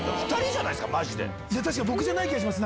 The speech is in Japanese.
僕じゃない気がします